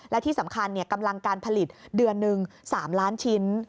และที่สำคัญกำลังการผลิตเดือนหนึ่ง๓ล้านชิ้น